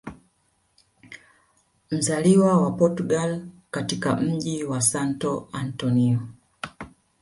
Mzaliwa wa portugal katika mji wa Santo Antonio